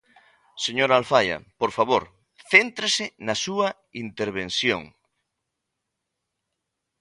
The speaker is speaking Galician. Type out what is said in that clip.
Señora Alfaia, por favor, céntrese na súa intervención.